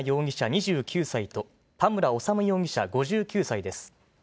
２９歳と、田村修容疑者５９歳です。